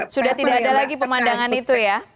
sudah tidak ada lagi pemandangan itu ya